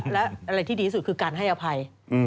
และอะไรที่ดีที่สุดคือการให้อภัย